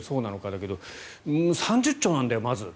だけど３０兆なんだよ、まず。